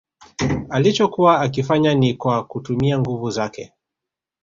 Alichokuwa akifanya ni kwa kutumia nguvu zake